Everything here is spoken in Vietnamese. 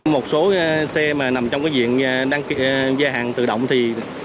một số xe mà nằm trong cái diện đang gia hạn tự động thì